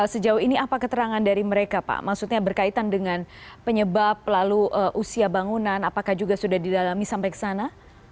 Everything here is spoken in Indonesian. sejauh ini apa keterangan dari mereka pak maksudnya berkaitan dengan penyebab lalu usia bangunan apakah juga sudah didalami sampai ke sana